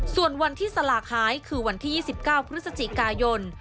ส่วนวันที่สลากหายคือวันที่๒๙พฤศจิกายน